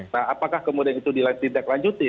nah apakah kemudian itu tidak dilanjutin